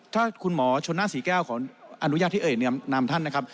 ถ้าคุณหมอชนหน้าศรีแก้วขออนุญาตที่เอ่ยมนามท่านนะครับ